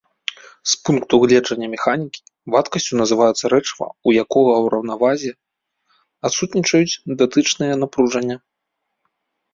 З пункту гледжання механікі, вадкасцю называецца рэчыва, у якога ў раўнавазе адсутнічаюць датычныя напружання.